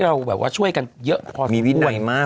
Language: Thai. เราแบบว่าช่วยกันเยอะพอมีวินัยมาก